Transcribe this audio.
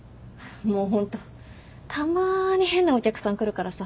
もうホントたまに変なお客さん来るからさ。